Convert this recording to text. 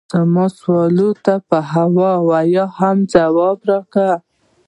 زما سوالونو ته په هو او یا ځواب راکړه